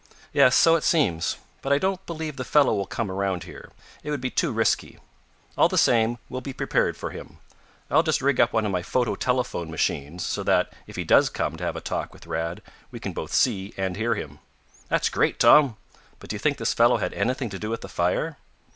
"Yes, so it seems. But I don't believe the fellow will come around here. It would be too risky. All the same, we'll be prepared for him. I'll just rig up one of my photo telephone machines, so that, if he does come to have a talk with Rad, we can both see and hear him." "That's great, Tom! But do you think this fellow had anything to do with the fire?"